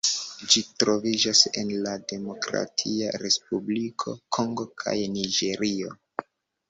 Ĝi troviĝas en la Demokratia Respubliko Kongo kaj Niĝerio.